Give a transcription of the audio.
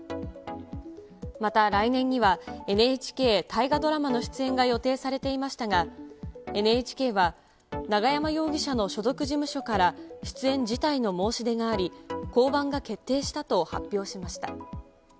また、来年にはＮＨＫ大河ドラマの出演が予定されていましたが、ＮＨＫは永山容疑者の所属事務所から出演辞退の申し出があり、降板が決定したと発表しました。